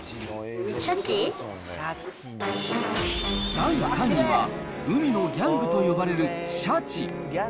第３位は、海のギャングと呼ばれるシャチ。